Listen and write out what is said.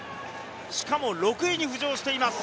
しかも、６位に浮上しています。